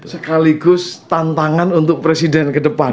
sekaligus tantangan untuk presiden kedepan